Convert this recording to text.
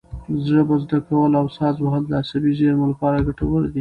ژبه زده کول او ساز وهل د عصبي زېرمو لپاره ګټور دي.